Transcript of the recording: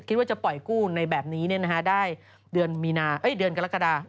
คิดว่าจะปล่อยกู้ในแบบนี้ได้เดือนกรกฎา